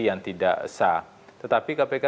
yang tidak sah tetapi kpk